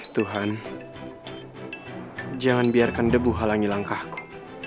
tuhan jangan biarkan debu halangi langkahku